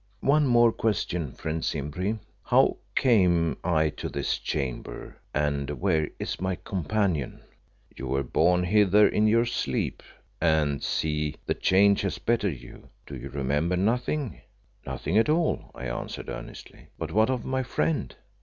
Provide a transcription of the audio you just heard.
"One more question, friend Simbri. How came I to this chamber, and where is my companion?" "You were borne hither in your sleep, and see, the change has bettered you. Do you remember nothing?" "Nothing, nothing at all," I answered earnestly. "But what of my friend?"